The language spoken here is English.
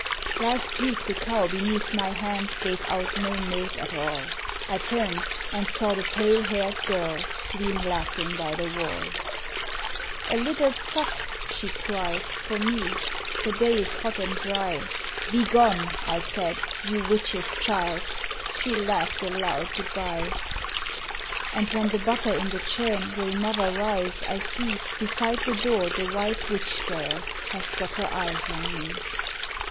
Last week the cow beneath my hand Gave out no milk at all ; I turned, and saw the pale haired girl Lean laughing by the wall. 24 THE WHITE WITCH 25 ' A little: sup,' she cried, ' for me ; The day is hot and dry.' ' Begone !' I said, ' you witch's child,' She laughed a loud good bye. And when the butter in the churn Will never rise, I see Beside the door the white witch girl Has got her eyes on me.